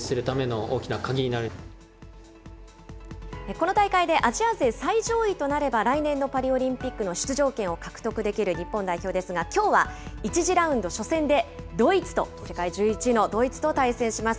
この大会で、アジア勢最上位となれば、来年のパリオリンピックの出場権を獲得できる日本代表ですが、きょうは１次ラウンド初戦でドイツと、世界１１位のドイツと対戦します。